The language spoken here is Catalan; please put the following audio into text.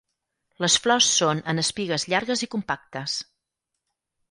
Les flors són en espigues llargues i compactes.